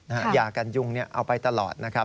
ยากันยุงเอาไปตลอดนะครับ